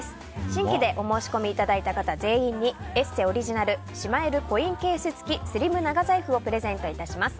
新規でお申し込みいただいた方全員に「ＥＳＳＥ」オリジナルしまえるコインケース付きスリム長財布をプレゼントいたします。